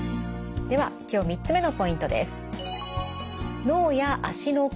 では今日３つ目のポイントです。